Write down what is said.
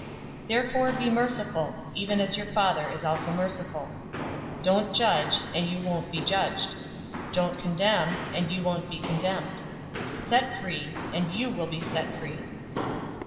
006:036 Therefore be merciful, even as your Father is also merciful. 006:037 Don't judge, and you won't be judged. Don't condemn, and you won't be condemned. Set free, and you will be set free.